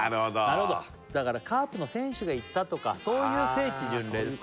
なるほどだからカープの選手が行ったとかそういう聖地巡礼ですね